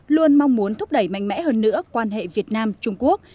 luôn mong muốn thúc đẩy mạnh mẽ hơn nữa quan hệ việt nam trung quốc